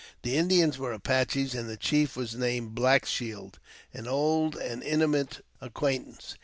The Indians were Apaches, and the chief was named Black Shield, an old and intimate acquaintance.